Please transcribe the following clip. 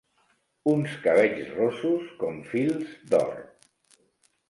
Uns cabells rossos com fils d'or.